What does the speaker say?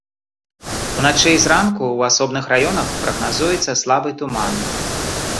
Уначы і зранку ў асобных раёнах прагназуецца слабы туман.